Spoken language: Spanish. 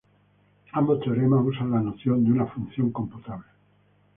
Ambos teoremas usan la noción de una función computable.